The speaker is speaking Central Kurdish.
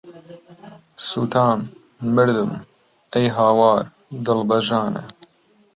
سوتام، مردم، ئەی هاوار، دڵ بە ژانە